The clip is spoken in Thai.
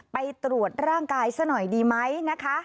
ไปตรวจร่างกายซะหน่อยดีไหมนะคะ